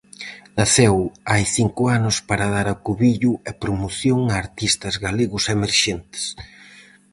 Naceu hai cinco anos para dar acubillo e promoción a artistas galegos emerxentes.